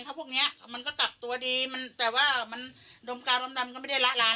เพราะพวกเนี้ยมันก็กลับตัวดีมันแต่ว่ามันดมกาวดมดำก็ไม่ได้ละลาย